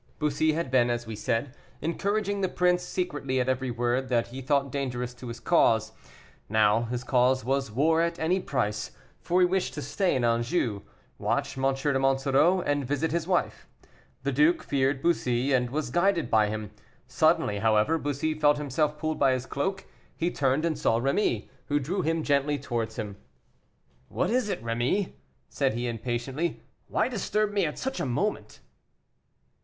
Bussy had been, as we said, encouraging the prince secretly at every word that he thought dangerous to his cause. Now his cause was war at any price, for he wished to stay in Anjou, watch M. de Monsoreau, and visit his wife. The duke feared Bussy, and was guided by him. Suddenly, however, Bussy felt himself pulled by his cloak; he turned and saw Rémy, who drew him gently towards him. "What is it, Rémy?" said he impatiently. "Why disturb me at such a moment?"